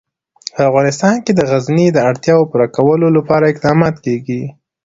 په افغانستان کې د غزني د اړتیاوو پوره کولو لپاره اقدامات کېږي.